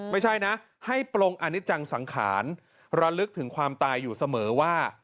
ไม่ใช่นะให้ปรงอนิจังสังขารระลึกถึงความตายอยู่เสมอว่า